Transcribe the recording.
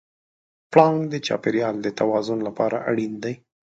پړانګ د چاپېریال د توازن لپاره اړین دی.